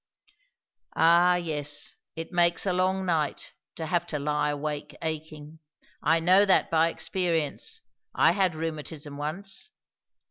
"Ah, yes; it makes a long night, to have to lie awake aching! I know that by experience. I had rheumatism once."